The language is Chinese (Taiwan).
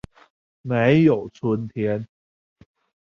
沒有春天